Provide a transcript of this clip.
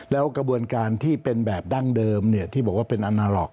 แล้วกระบวนการที่เป็นแบบดั้งเดิมที่บอกว่าเป็นอนาล็อก